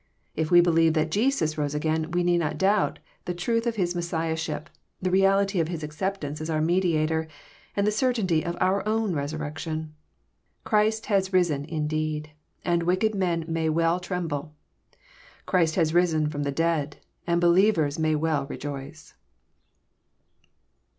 If we believe that Jesus rose again, we need not doubt the truth of His Messiahship, the reality of His acceptance as our Mediator, and the certainty of our own resurrection. Christ has risen indeed, and wicked men may well tremble. Christ has risen from the dead, and believers may well rejoice.